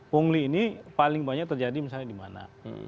pungli ini paling banyak terjadi misalnya di mana